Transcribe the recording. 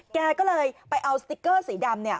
แกก็เลยไปเอาสติ๊กเกอร์สีดำเนี่ย